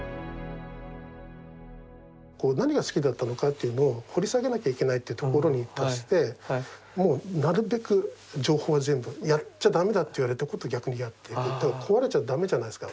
こう何が好きだったのかっていうのを掘り下げなきゃいけないっていうところに達してもうなるべく情報は全部「やっちゃ駄目だ」って言われたこと逆にやっていくと壊れちゃ駄目じゃないですか。